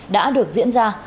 đã được diễn ra